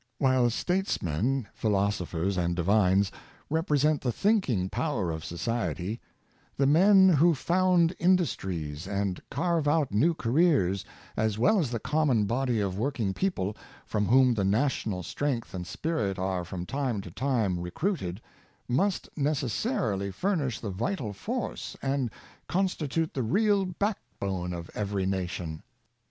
While statesmen, philosophers and divines represent the thinking power of society, the men who found indus tries and carve out new careers, as well as the common body of working people, from whom the national strength and spirit are from time to time recruited, must neces sarily furnish the vital force and constitute the real backbone of every nation.